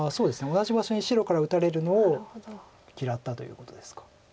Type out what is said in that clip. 同じ場所に白から打たれるのを嫌ったということですか。